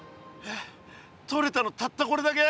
とれたのたったこれだけ？